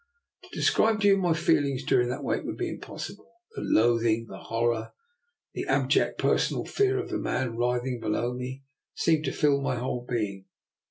To describe to you my feelings during that wait would be impossible; the loathing, the horror, the abject personal fear of the man writhing below me seemed to fill my whole being.